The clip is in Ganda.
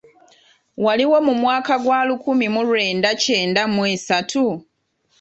Waliwomu mwaka gwa lukumi mu lwenda kyenda mu esatu?